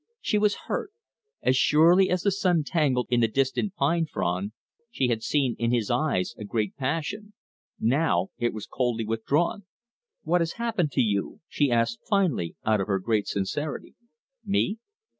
She was hurt. As surely as the sun tangled in the distant pine frond, she had seen in his eyes a great passion. Now it was coldly withdrawn. "What has happened to you?" she asked finally out of her great sincerity. "Me?